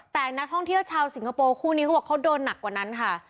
แต่นักท่องเที่ยวชาวสิงคโปร์คู่นี้เขาบอกเขาโดนหนักกว่านั้นค่ะ